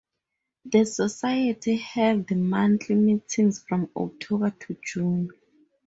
The society held monthly meetings from October to June.